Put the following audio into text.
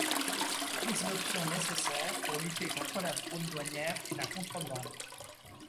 Prise d’options nécessaires pour lutter contre la fraude douanière et la contrebande.